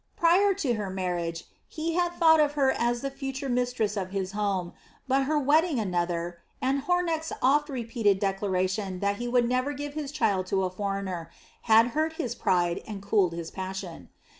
Prior to her marriage he had thought of her as the future mistress of his home, but her wedding another, and Hornecht's oft repeated declaration that he would never give his child to a foreigner, had hurt his pride and cooled his passion.